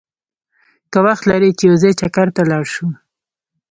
که وخت لرې چې یو ځای چکر ته لاړ شو!